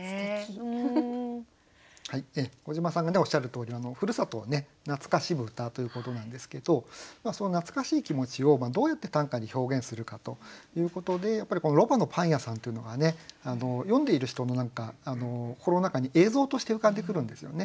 小島さんがおっしゃるとおりふるさとを懐かしむ歌ということなんですけどその懐かしい気持ちをどうやって短歌に表現するかということでロバのパン屋さんというのが読んでいる人の心の中に映像として浮かんでくるんですよね。